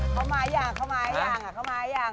เขามายังอ่าเขามายัง